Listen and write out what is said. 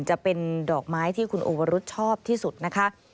จะเป็นดอกไม้ที่คุณโอวรุธชอบที่สุดนะคะ